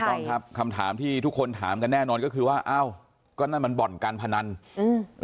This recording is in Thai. ต้องครับคำถามที่ทุกคนถามกันแน่นอนก็คือว่าอ้าวก็นั่นมันบ่อนการพนันอืม